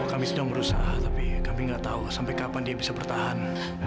kami sedang berusaha tapi kami nggak tahu sampai kapan dia bisa bertahan